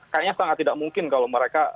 kayaknya sangat tidak mungkin kalau mereka